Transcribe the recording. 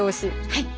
はい。